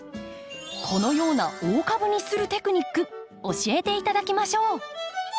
このような大株にするテクニック教えて頂きましょう。